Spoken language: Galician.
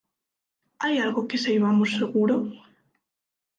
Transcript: Hai algo que saibamos seguro?